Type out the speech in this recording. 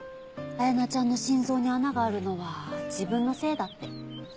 彩名ちゃんの心臓に穴があるのは自分のせいだって。